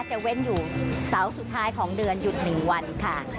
จะเว่นอยู่เสาสุดท้ายของเดือนหยุดหนึ่งวันค่ะ